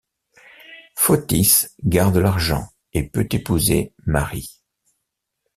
Photis garde l'argent et peut épouser Marie.